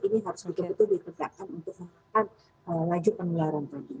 ini harus betul betul dikerjakan untuk melakukan laju penularan